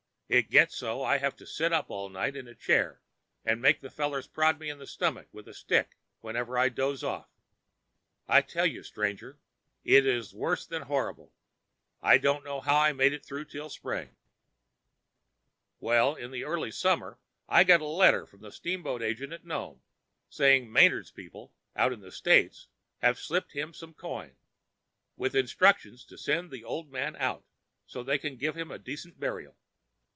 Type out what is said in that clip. It gets so I have to sit up all night in a chair and make the fellers prod me in the stomach with a stick whenever I doze off. I tell you, stranger, it was worse than horrible. I don't know how I made it through till spring. "Well, in the early summer I get a letter from the steamboat agent at Nome saying Manard's people out in the States have slipped him some coin, with instructions to send the old man out so they can give him decent burial.